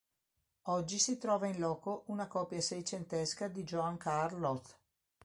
Oggi si trova in loco una copia seicentesca di Johann Carl Loth.